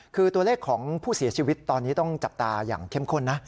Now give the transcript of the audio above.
คือตัวเลขของผู้เสียชีวิตตอนนี้ต้องจับตาอย่างเข้มข้นนะ